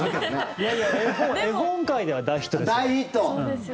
いやいや絵本界では大ヒットですよ。